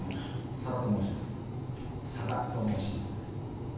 佐田と申します